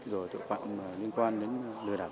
rồi tội phạm liên quan đến lừa đảo